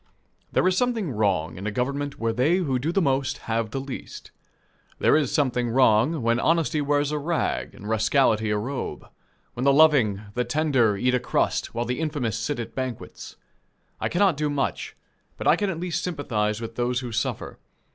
There is something wrong in a government where they who do the most have the least. There is something wrong, when honesty wears a rag, and rascality a robe; when the loving, the tender, eat a crust, while the infamous sit at banquets. I cannot do much, but I can at least sympathize with those who suffer.